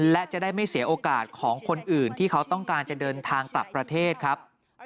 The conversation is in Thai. และจะได้ไม่เสียโอกาสของคนอื่นที่เขาต้องการจะเดินทางกลับประเทศครับ